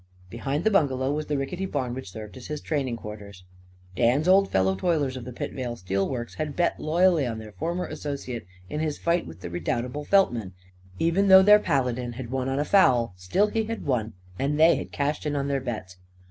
Behind the bungalow was the rickety barn which served as his training quarters. Dan's old fellow toilers of the Pitvale Steel Works had bet loyally on their former associate in his fight with the redoubtable Feltman. Even though their paladin had won on a foul, still he had won, and they had cashed in on their bets.